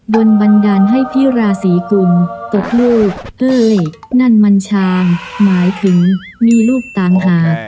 บนบันดาลให้พี่ราศีกุมตกลูกเอ้ยนั่นมันชางหมายถึงมีลูกต่างหาก